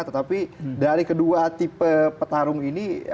tetapi dari kedua tipe petarung ini